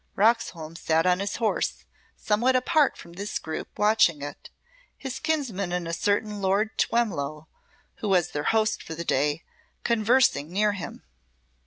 Roxholm sat on his horse somewhat apart from this group watching it, his kinsman and a certain Lord Twemlow, who was their host for the day, conversing near him.